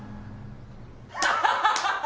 ハハハハハ！